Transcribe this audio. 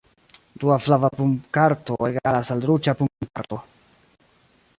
Dua flava punkarto egalas al ruĝa punkarto.